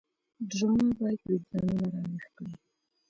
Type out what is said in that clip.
ډرامه باید وجدانونه راویښ کړي